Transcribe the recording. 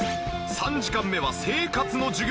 ３時間目は「生活」の授業！